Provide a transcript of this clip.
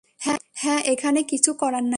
হ্যা, এখানে কিছু করার নাই।